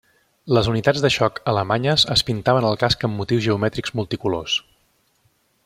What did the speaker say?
Les unitats de xoc alemanyes es pintaven el casc amb motius geomètrics multicolors.